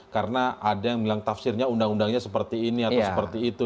karena ada yang bilang tafsirnya undang undangnya seperti ini atau seperti itu